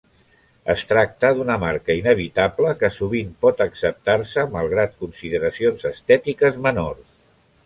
Es tracta d'una marca inevitable que sovint pot acceptar-se malgrat consideracions estètiques menors.